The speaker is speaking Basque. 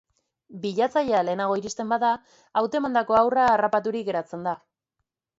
Bilatzailea lehenago iristen bada, hautemandako haurra harrapaturik geratzen da.